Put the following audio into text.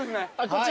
こっち？